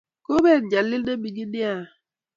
Komet nyalil ne mining nea